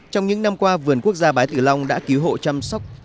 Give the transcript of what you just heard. trong những năm qua vườn quốc gia bái tử long đã cứu hộ chăm sóc